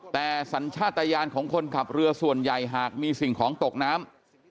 แต่สัญชาติยานของคนขับเรือส่วนใหญ่หากมีสิ่งของตกน้ำ